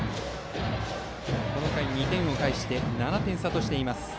この回、２点を返して７点差としています